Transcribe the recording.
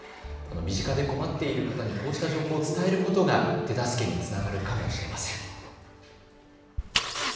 身近で困っている方にこうした情報を伝えることが手助けにつながるかもしれません。